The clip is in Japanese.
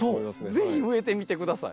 是非植えてみて下さい。